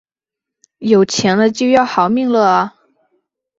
有钱了就要好命了啊